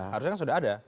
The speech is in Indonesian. harusnya kan sudah ada